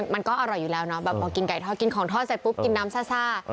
มันก็อร่อยอยู่แล้วเนาะแบบพอกินไก่ทอดกินของทอดเสร็จปุ๊บกินน้ำซ่า